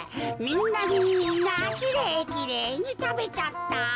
みんなきれいきれいにたべちゃった。